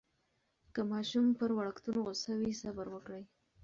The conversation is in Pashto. که ماشوم پر وړکتون غوصه وي، صبر وکړئ.